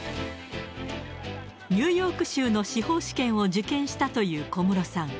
ニューヨーク州の司法試験を受験したという小室さん。